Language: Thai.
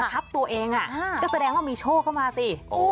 ทับตัวเองก็แสดงว่ามีโชคเข้ามาสิ